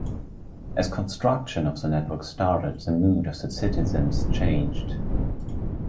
As construction of the network started, the mood of the citizens changed.